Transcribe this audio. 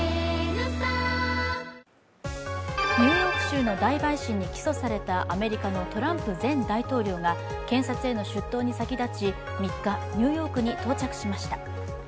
ニューヨーク州の大陪審に起訴されたアメリカのトランプ前大統領が検察への出頭に先立ち３日、ニューヨークに到着しました。